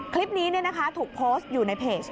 คลิปนี้ถูกโพสต์อยู่ในเพจ